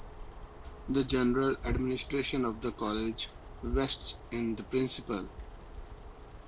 The general administration of the College vests in the Principal.